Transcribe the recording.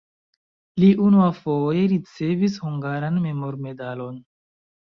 Li unuafoje ricevis hungaran memormedalon.